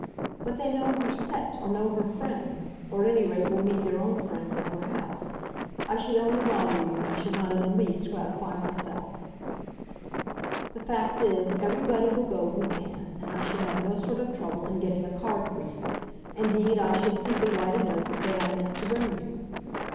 "But they know her set, or know her friends, or, at any rate, will meet their own friends at her house. I should only bother you, and should not in the least gratify myself." "The fact is, everybody will go who can, and I should have no sort of trouble in getting a card for you. Indeed I should simply write a note and say I meant to bring you."